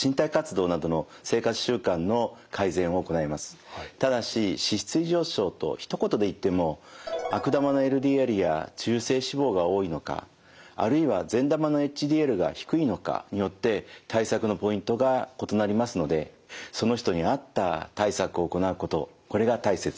まずはただし脂質異常症とひと言で言っても悪玉のＬＤＬや中性脂肪が多いのかあるいは善玉のＨＤＬが低いのかによって対策のポイントが異なりますのでその人に合った対策を行うことこれが大切です。